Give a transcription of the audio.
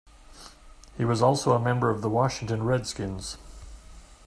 He was also a member of the Washington Redskins.